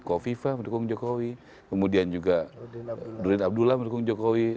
ko viva mendukung jokowi kemudian juga doreen abdullah mendukung jokowi